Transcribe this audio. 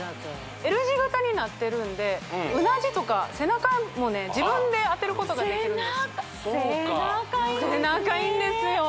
Ｌ字型になってるんでうなじとか背中も自分であてることができるんです背中いいですね